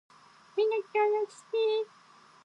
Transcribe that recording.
みんな協力してー